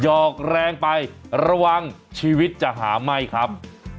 หอกแรงไประวังชีวิตจะหาไหม้ครับ